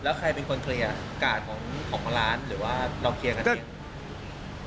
แล้วใครเป็นคนเคลียร์กาดของร้านหรือว่าเราเคลียร์กันเอง